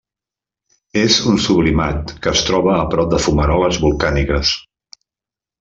És un sublimat que es troba a prop de fumaroles volcàniques.